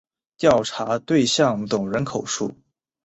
调查对象总人口数